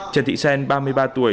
trần thị sen ba mươi ba tuổi